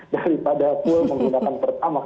daripada full menggunakan pertamax